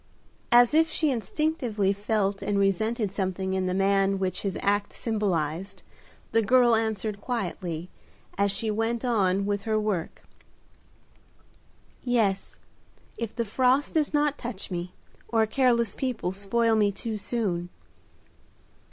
As if she instinctively felt and resented something in the man which his act symbolized, the girl answered quietly, as she went on with her work, "Yes, if the frost does not touch me, or careless people spoil me too soon."